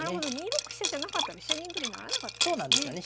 ２六飛車じゃなかったら飛車銀取りならなかったですね。